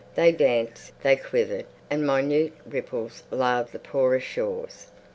They danced, they quivered, and minute ripples laved the porous shores.